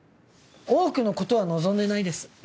多くのことは望んでないです。